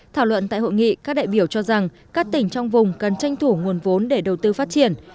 thảo luận tại hội nghị các đại biểu cho rằng các tỉnh trong vùng cần tranh thủ nguồn vốn để đầu tư phát triển